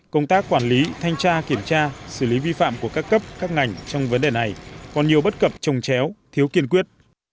công tác quản lý thanh tra kiểm tra xử lý vi phạm của các cấp các ngành trong vấn đề này còn nhiều bất cập trồng chéo thiếu kiên quyết